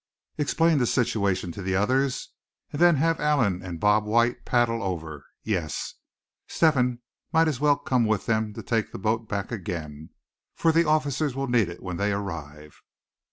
"Explain the situation to the others, and then have Allan and Bob White paddle over; yes, Step hen might as well come with them to take back the boat again, for the officers will need it when they arrive."